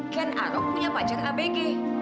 ken aruk punya pacar abg